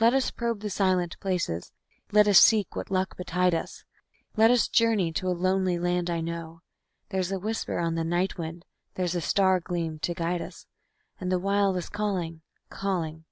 Let us probe the silent places, let us seek what luck betide us; Let us journey to a lonely land I know. There's a whisper on the night wind, there's a star agleam to guide us, And the Wild is calling, calling...